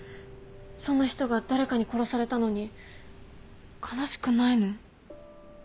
そんな人が誰かに殺されたのに悲しくないの？